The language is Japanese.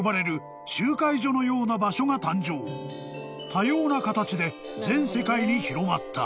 ［多様な形で全世界に広まった］